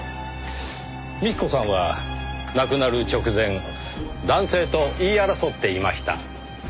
幹子さんは亡くなる直前男性と言い争っていました。